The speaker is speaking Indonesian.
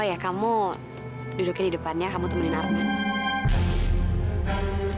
ya kamu dudukin di depannya kamu temenin arman